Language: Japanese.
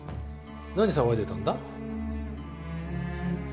何騒いでたんだ？